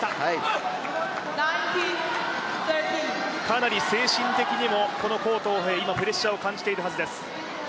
かなり精神的にも、この黄東萍プレッシャーを感じているはずです。